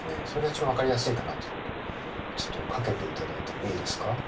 それが一番分かりやすいかなということでちょっとかけていただいてもいいですか？